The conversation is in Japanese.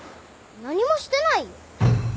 何もしてないよ。